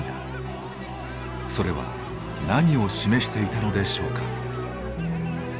それは何を示していたのでしょうか。